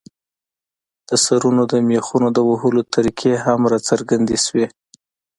د سرونو د مېخونو د وهلو طریقې هم راڅرګندې شوې.